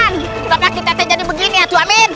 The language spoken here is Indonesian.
tidak kita tidak bisa jadi begini amin